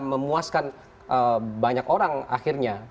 memuaskan banyak orang akhirnya